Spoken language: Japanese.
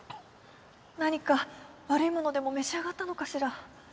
何か悪いものでも召し上がったのかしら